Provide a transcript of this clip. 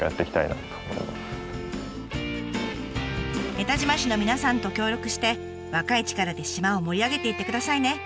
江田島市の皆さんと協力して若い力で島を盛り上げていってくださいね。